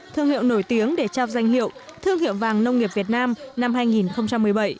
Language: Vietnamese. thương hiệu nổi tiếng để trao danh hiệu thương hiệu vàng nông nghiệp việt nam năm hai nghìn một mươi bảy